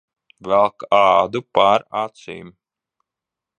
Velk ādu pār acīm.